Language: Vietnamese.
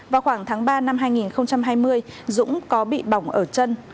vào khoảng tháng ba năm hai nghìn hai mươi dũng có bị bỏng ở chân